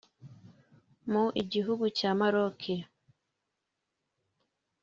mu gihugu cya Maroc